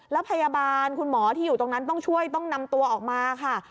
แล้วพยาบาลคุณหมอที่อยู่ตรงนั้นต้องช่วยต้องนำตัวออกมาค่ะ